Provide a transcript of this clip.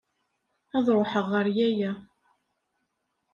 Ad ṛuḥeɣ ɣer yaya.